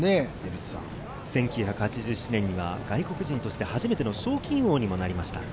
１９８７年には外国人として初めての賞金王にもなりました。